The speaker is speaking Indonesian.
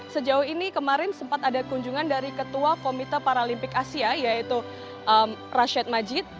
sejauh ini kemarin sempat ada kunjungan dari ketua komite paralimpik asia yaitu rashid majid